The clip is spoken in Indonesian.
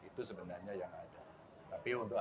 itu sebenarnya yang ada tapi untuk